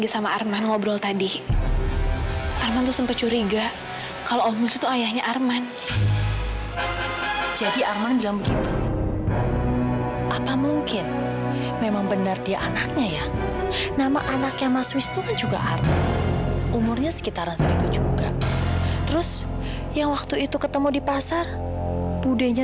sampai jumpa di video selanjutnya